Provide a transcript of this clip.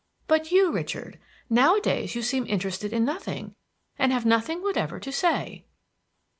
But you, Richard, nowadays you seem interested in nothing, and have nothing whatever to say."